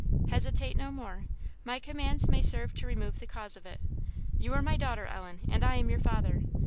"Hesitate no more. My commands may serve to remove the cause of it. You are my daughter, Ellen, and I am your father.